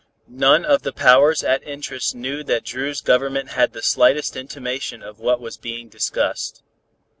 None of the powers at interest knew that Dru's Government had the slightest intimation of what was being discussed.